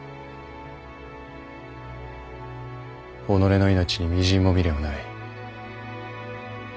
己の命にみじんも未練はない。